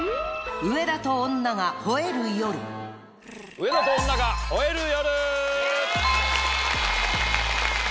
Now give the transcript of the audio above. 『上田と女が吠える夜』！